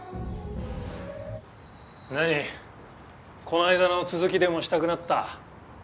こないだの続きでもしたくなった？